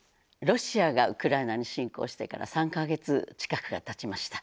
ロシアがウクライナに侵攻してから３か月近くがたちました。